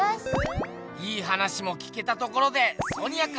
いい話も聞けたところでいくよあっ！